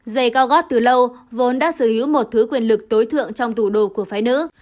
dày cao gót từ lâu vốn đã sở hữu một thứ quyền lực tối thượng trong tủ đồ của phái nữ